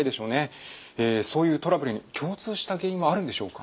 そういうトラブルに共通した原因はあるんでしょうか？